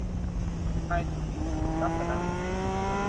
นายจุรินทร์ ลักษณวิศิษฏ์